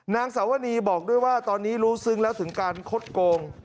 นางสาวนีบอกด้วยว่าตอนนี้รู้ซึ้งแล้วถึงการคดโกง